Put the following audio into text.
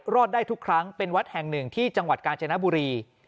รอดได้ทุกครั้งเป็นวัดห่างหนึ่งที่